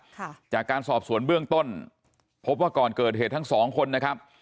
ค่ะจากการสอบสวนเบื้องต้นพบว่าก่อนเกิดเหตุทั้งสองคนนะครับ